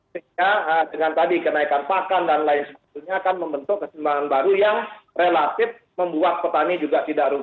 sehingga dengan tadi kenaikan pakan dan lain sebagainya akan membentuk keseimbangan baru yang relatif membuat petani juga tidak runtuh